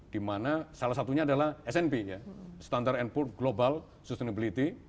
di mana salah satunya adalah snb ya standar and pull global sustainability